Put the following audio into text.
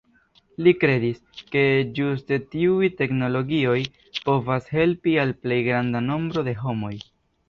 Li kredis, ke ĝuste tiuj teknologioj povas helpi al plej granda nombro de homoj.